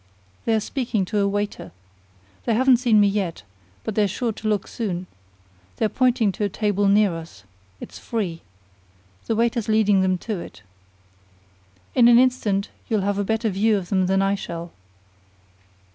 They're speaking to a waiter. They haven't seen me yet, but they're sure to look soon. They're pointing to a table near us. It's free. The waiter's leading them to it. In an instant you'll have a better view of them than I shall.